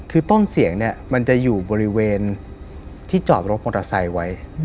คือต้นเสียงเนี่ยมันจะอยู่บริเวณที่จอดรถมอเตอร์ไซค์ไว้